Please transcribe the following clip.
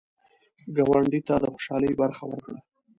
ګاونډي ته د خوشحالۍ برخه ورکړه